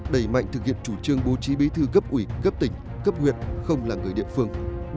đẩy mạnh thực hiện chủ trương bố trí bí thư cấp ủy cấp tỉnh cấp huyện không là người địa phương